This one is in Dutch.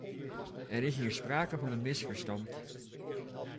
Er is hier sprake van een misverstand.